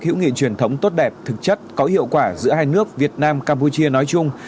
hữu nghị truyền thống tốt đẹp thực chất có hiệu quả giữa hai nước việt nam campuchia nói chung